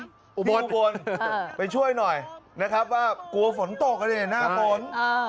อุบลไปช่วยหน่อยนะครับว่ากลัวฝนตกอ่ะดิหน้าฝน